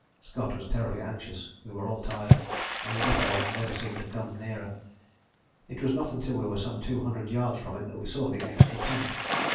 Scott was terribly anxious, we were all tired, and the depôt never seemed to come nearer. It was not until we were some two hundred yards from it that we saw the extra tent.